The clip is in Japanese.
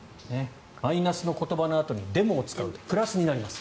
マイナスの言葉のあとに「でも」を使うとプラスになります。